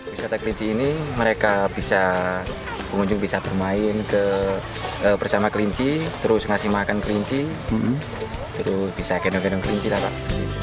wisata kelinci ini mereka bisa pengunjung bisa bermain bersama kelinci terus ngasih makan kelinci terus bisa gendong gendong kelinci lah pak